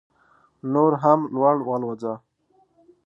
نور هم لوړ والوځه